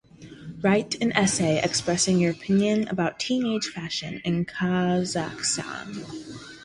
Write an essay expressing your opinion about teenage fashion in Kazakhstan.